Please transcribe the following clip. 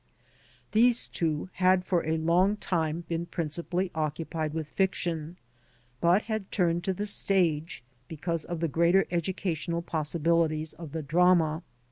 These two had for a long time been principally occupied with fiction, but had turned to the stage because of the greater educa tional possibilities of the drama.